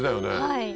はい。